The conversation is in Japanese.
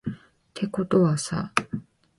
てことはさ